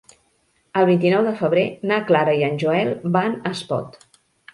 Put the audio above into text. El vint-i-nou de febrer na Clara i en Joel van a Espot.